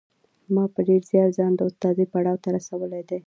ما په ډېر زیار ځان د استادۍ پړاو ته رسولی